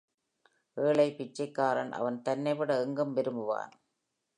ஏழை பிச்சைக்காரன், அவன் தன்னைவிட எங்கும் விரும்புவான்.